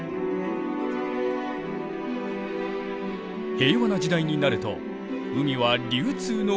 平和な時代になると海は流通の要に。